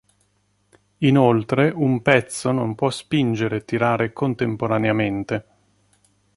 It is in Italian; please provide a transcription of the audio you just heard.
Inoltre, un pezzo non può spingere e tirare contemporaneamente.